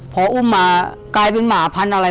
พออุ้มมากลายเป็นหมาพันธุ์อะไร